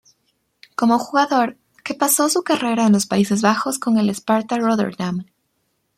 Como jugador, que pasó su carrera en los Países Bajos con el Sparta Rotterdam.